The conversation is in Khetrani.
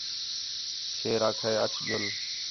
شیر آکھا ہِے اَچ ڄُل